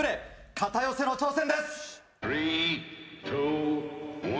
片寄の挑戦です。